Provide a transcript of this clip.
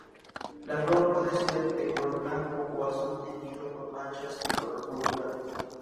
La flor puede ser de color blanco o azul-teñido con manchas de color púrpura.